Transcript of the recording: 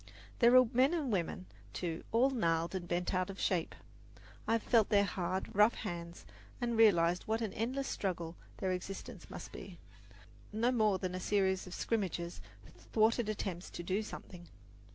There are men and women, too, all gnarled and bent out of shape. I have felt their hard, rough hands and realized what an endless struggle their existence must be no more than a series of scrimmages, thwarted attempts to do something.